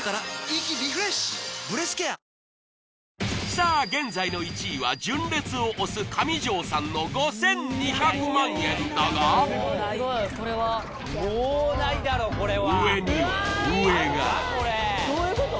さあ現在の１位は純烈を推す上條さんの５２００万円だがすごいすごいこれはもうないだろこれは上には上がどういうこと？